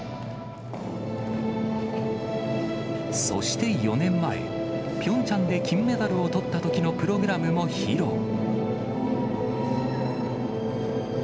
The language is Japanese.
そして４年前、ピョンチャンで金メダルをとったときのプログラムも披露。